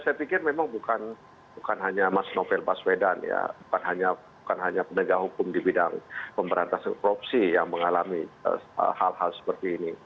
saya pikir memang bukan hanya mas novel baswedan ya bukan hanya penegak hukum di bidang pemberantasan korupsi yang mengalami hal hal seperti ini